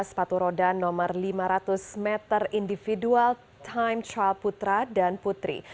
sepatu roda nomor lima ratus meter individual time trial putra dan putri